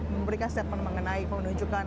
memberikan statement mengenai penunjukan